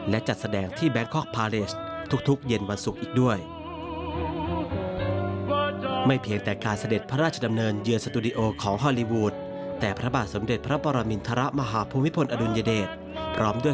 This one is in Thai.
และจัดแสดงที่แบงคอกพาเลสทุกเย็นวันศุกร์อีกด้วย